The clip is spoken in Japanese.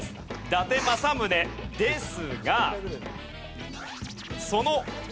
伊達政宗ですが。